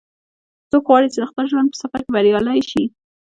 څوک غواړي چې د خپل ژوند په سفر کې بریالۍ شي